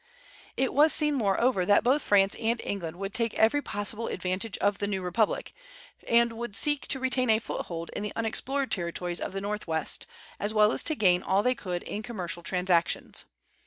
It was seen, moreover, that both France and England would take every possible advantage of the new republic, and would seek to retain a foothold in the unexplored territories of the Northwest, as well as to gain all they could in commercial transactions.